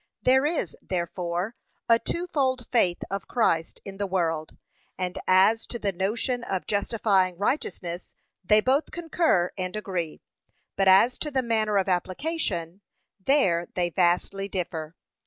There is, therefore, a twofold faith of Christ in the world, and as to the notion of justifying righteousness, they both concur and agree, but as to the manner of application, there they vastly differ.